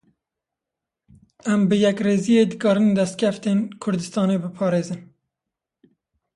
Em bi yekrêziyê dikarin destkeftên Kurdistanê biparêzin.